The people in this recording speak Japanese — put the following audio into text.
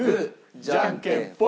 じゃんけんポイ！